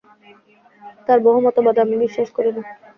তাঁর বহু মতবাদে আমি বিশ্বাস করি না।